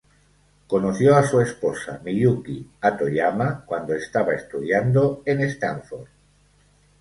Conoció a su esposa, Miyuki Hatoyama, cuando estaba estudiando en Stanford.